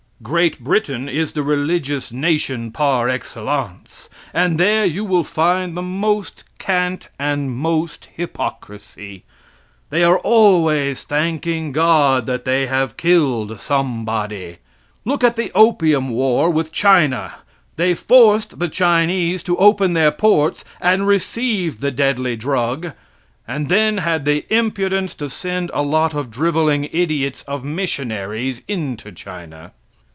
Great Britain is the religious nation par excellence, and there you will find the most cant and most hypocrisy. They are always thanking God that they have killed somebody. Look at the opium war with China. They forced the Chinese to open their ports and receive the deadly drug, and then had the impudence to send a lot of driveling idiots of missionaries into China.